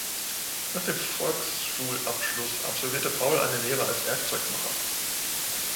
Nach dem Volksschulabschluss absolvierte Paul eine Lehre als Werkzeugmacher.